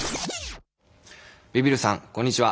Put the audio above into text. ビビるさんこんにちは。